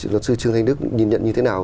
luật sư trương thanh đức nhìn nhận như thế nào